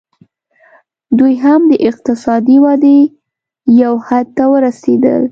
دوی هم د اقتصادي ودې یو حد ته ورسېدل